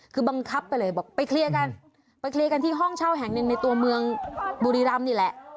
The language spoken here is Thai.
คือบังคับไปเลยบอกไปเคลียร์กันไปเคลียร์กันที่ห้องเช่าแห่งหนึ่งในตัวเมืองบุรีรำนี่แหละ